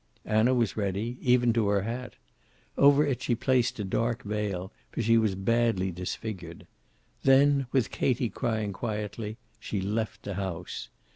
Anna was ready, even to her hat. Over it she placed a dark veil, for she was badly disfigured. Then, with Katie crying quietly, she left the house.